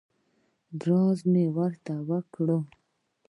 زارۍ مې ورته وکړې.